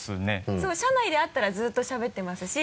そう社内で会ったらずっとしゃべってますし。